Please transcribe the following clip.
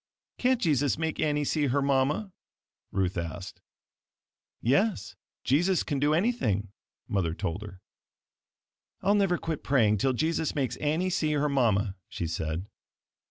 "Can't Jesus make Annie see her mama?" Ruth asked. "Yes, Jesus can do anything," Mother told her. "I'll never quit praying till Jesus makes Annie see her Mama," she said.